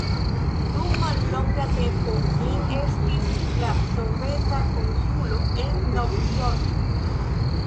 Dum mallonga tempo li estis la soveta konsulo en Novjorko.